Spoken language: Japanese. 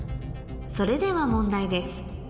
それでは問題です